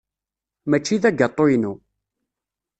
Mačči d agatu-inu.